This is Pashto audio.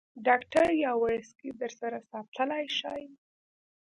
ډاکټر یاورسکي در سره ساتلای شې.